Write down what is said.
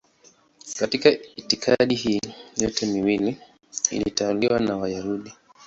Katika itikadi hii yote miwili ilitawaliwa na Wayahudi.